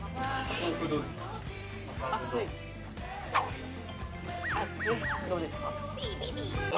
豆腐どうですか？